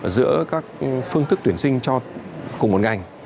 giữa các phương thức tuyển sinh cho cùng một ngành